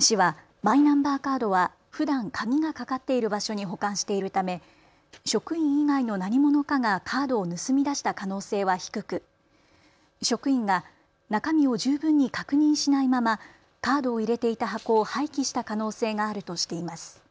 市はマイナンバーカードはふだん鍵がかかっている場所に保管しているため職員以外の何者かがカードを盗み出した可能性は低く職員が中身を十分に確認しないままカードを入れていた箱を廃棄した可能性があるとしています。